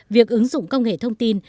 việc ứng dụng công nghệ thông tin